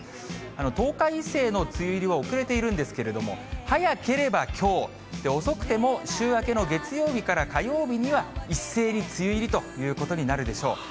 東海以西の梅雨入りは遅れているんですけれども、早ければきょう、遅くても週明けの月曜日から火曜日には、一斉に梅雨入りということになるでしょう。